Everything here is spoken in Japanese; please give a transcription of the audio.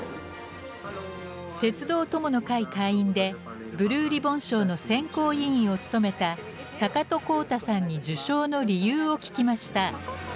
「鉄道友の会」会員でブルーリボン賞の選考委員を務めた坂戸宏太さんに受賞の理由を聞きました。